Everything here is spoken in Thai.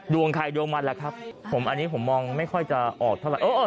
ดวงใครดวงมันแหละครับผมอันนี้ผมมองไม่ค่อยจะออกเท่าไหร่